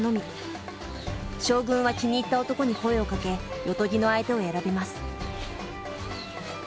将軍は気に入った男に声をかけ夜伽の相手を選びます。